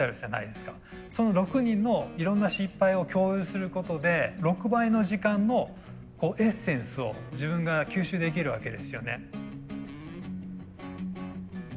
その６人のいろんな失敗を共有することで６倍の時間のエッセンスを自分が吸収できるわけですよね。